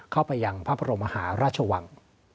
เข้าไปยังพระบรมมหาราชวัง